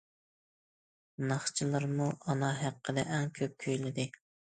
ناخشىچىلارمۇ ئانا ھەققىدە ئەڭ كۆپ كۈيلىدى.